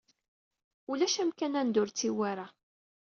Ulac amkan anda ur tt-iwwi ara